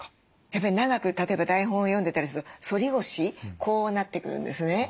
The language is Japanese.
やっぱり長く例えば台本を読んでたりすると反り腰こうなってくるんですね。